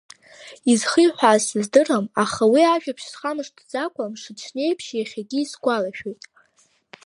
Изхиҳәааз сыздырам, аха уи ажәабжь схамышҭ-ӡакәа, мшаҽнеиԥш, иахьагьы исгәалашәоит.